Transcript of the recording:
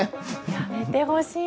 やめてほしい。